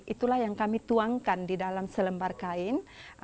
itulah yang kami tuangkan di dalam selembar kain